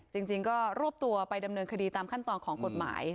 จริงก็รวบตัวไปดำเนินคดีตามขั้นตอนของกฎหมาย